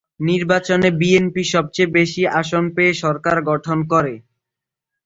নির্বাচনে বিএনপি সবচেয়ে বেশি আসন পেয়ে সরকার গঠন করে।